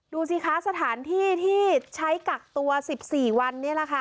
ดูสิคะสถานที่ที่ใช้กักตัว๑๔วันนี่แหละค่ะ